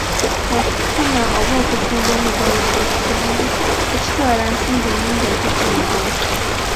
Okufuna oba okutunda emigabo kintu kyangu, tekitwala nsimbi nnyingi ate kyanguwa.